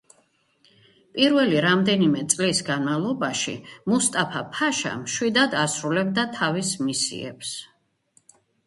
პირველი რამდენიმე წლის განმავლობაში მუსტაფა-ფაშა მშვიდად ასრულებდა თავის მისიებს.